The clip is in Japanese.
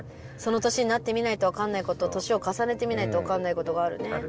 その年になってみないと分かんないこと年を重ねてみないと分かんないことがあるね。